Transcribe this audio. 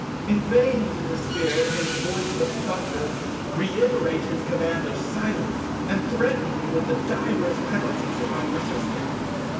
In vain did the Sphere, in his voice of thunder, reiterate his command of silence, and threaten me with the direst penalties if I persisted.